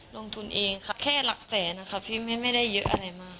ลงทุนเองค่ะแค่หลักแสนนะคะพี่ไม่ได้เยอะอะไรมาก